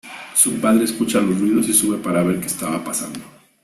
Su padre escucha los ruidos y sube para ver que estaba pasando.